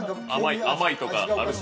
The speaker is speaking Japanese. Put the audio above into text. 甘いとかある？